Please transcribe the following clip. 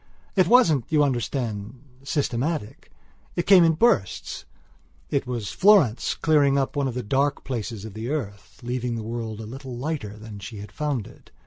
It wasn't, you understand, systematic. It came in bursts. It was Florence clearing up one of the dark places of the earth, leaving the world a little lighter than she had found it.